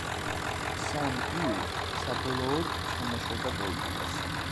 სან იუ საბოლოოდ ჩამოშორდა პოლიტიკას.